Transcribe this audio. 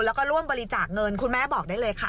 แล้วก็ร่วมบริจาคเงินคุณแม่บอกได้เลยค่ะ